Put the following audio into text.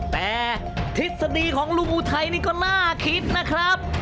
แต่ทฤษฎีของลุงอุทัยนี่ก็น่าคิดนะครับ